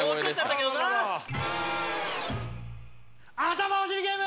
たまおしりゲーム！